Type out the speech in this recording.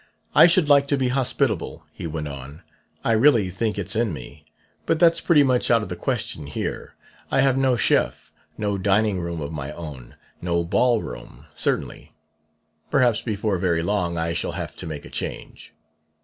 I should like to be hospitable,' he went on; ' I really think it's in me; but that's pretty much out of the question here. I have no chef, no dining room of my own, no ball room, certainly.... Perhaps, before very long, I shall have to make a change.'